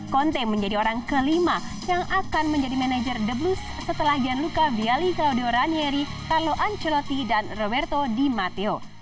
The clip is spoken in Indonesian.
conte menjadi orang kelima yang akan menjadi manajer the blues setelah gianluca viali claudio ranieri carlo ancelotti dan roberto di matteo